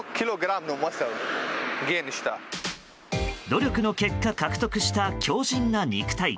努力の結果獲得した強靭な肉体。